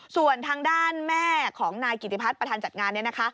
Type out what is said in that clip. ส่วนทางด้านแม่ของนายกิติพัฒน์ประธานจัดงานเนี่ยนะคะ